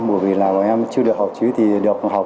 bởi vì bọn em chưa được học chữ thì được học với chúng